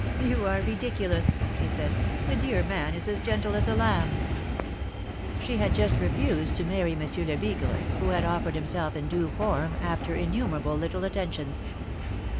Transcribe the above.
You are ridiculous, she said. ^^The dear man is as gentle as a lamb !" She had just refused to marry Monsieur Lebigre, who had offered himself in due form, after innumerable little attentions.